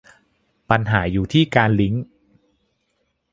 ปัญหาอยู่ที่การลิงก์